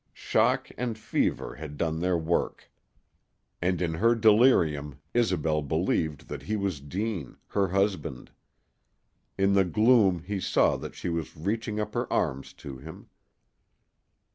Shock and fever had done their work. And in her delirium Isobel believed that he was Deane, her husband. In the gloom he saw that she was reaching up her arms to him.